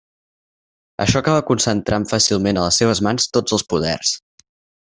Això acaba concentrant fàcilment a les seves mans tots els poders.